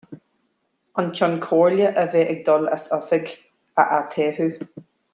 An Ceann Comhairle a bheidh ag dul as oifig a atoghadh.